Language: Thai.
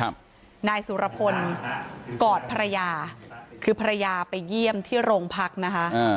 ครับนายสุรพลกอดภรรยาคือภรรยาไปเยี่ยมที่โรงพักนะคะอ่า